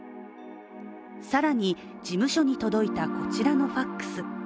さらに事務所に届いたこちらのファックス。